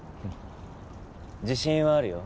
自信はあるよ。